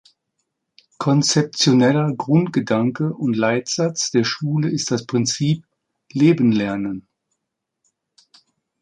Konzeptioneller Grundgedanke und Leitsatz der Schule ist das Prinzip „Leben lernen“.